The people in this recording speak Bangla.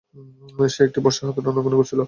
সে একটি বর্শা হাতে রণাঙ্গনে ঘুরছিল।